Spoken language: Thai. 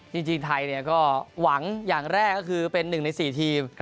จริงไทยก็หวังอย่างแรกก็คือเป็น๑ใน๔ทีม